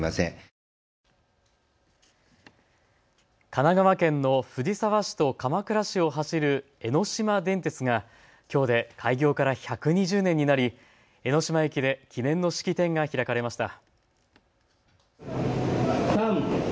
神奈川県の藤沢市と鎌倉市を走る江ノ島電鉄がきょうで開業から１２０年になり、江ノ島駅で記念の式典が開かれました。